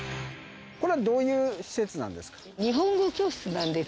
これはどういう施設なんです